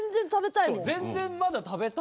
全然まだ食べたく。